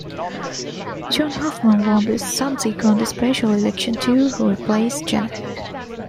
Joan Huffman won the subsequent special election to replace Janek.